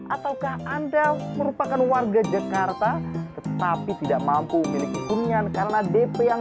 ataukah anda merupakan warga jakarta tetapi tidak mampu memiliki hunian karena dp yang